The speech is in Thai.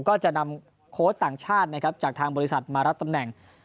ก็จะนำโค้ชต่างชาตินะครับจากทางบริษัทมารับตำแหน่ง